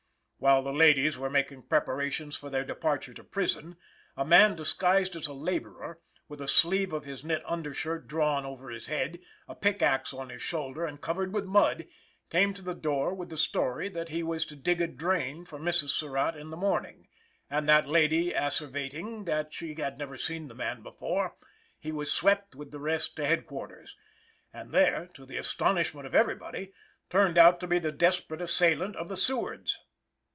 While the ladies were making preparations for their departure to prison, a man disguised as a laborer, with a sleeve of his knit undershirt drawn over his head, a pick axe on his shoulder, and covered with mud, came to the door with the story that he was to dig a drain for Mrs. Surratt in the morning; and that lady asseverating that she had never seen the man before, he was swept with the rest to headquarters, and there, to the astonishment of everybody, turned out to be the desperate assailant of the Sewards.